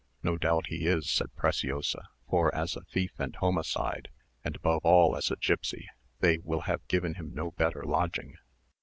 "No doubt he is," said Preciosa, "for as a thief and homicide, and above all as a gipsy, they will have given him no better lodging."